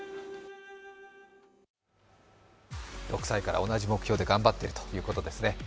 ６歳から同じ目標で頑張ってるということですね。